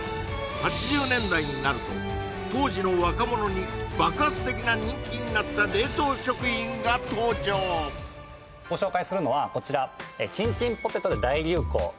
８０年代になると当時の若者に爆発的な人気になった冷凍食品が登場ご紹介するのはこちら「チンチンポテト」で大流行